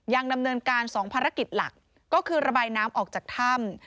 ยังดำเนินการ๒ภารกิจหลักก็คือระบายน้ำออกจากถ้ำ